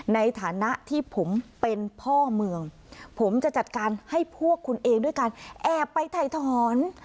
ในฐานะที่ผมเป็นพ่อเมืองผมจะจัดการให้พวกคุณเองด้วยการแอบไปถ่ายถอน